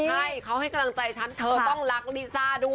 ใช่เขาให้กำลังใจฉันเธอต้องรักลิซ่าด้วย